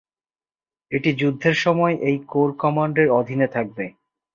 এটি যুদ্ধের সময় এই কোর কমান্ডের অধীনে থাকবে।